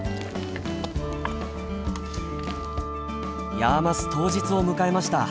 ヤーマス当日を迎えました。